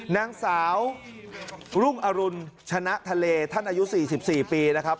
นางสาวรุ่งอรุณชนะทะเลท่านอายุ๔๔ปีนะครับ